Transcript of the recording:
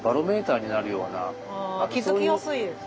気付きやすいですね。